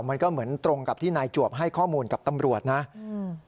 มันก็เหมือนตรงกับที่นายจวบให้ข้อมูลกับตำรวจนะอืม